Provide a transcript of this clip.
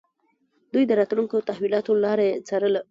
دوی د راتلونکو تحولاتو لاره يې څارله.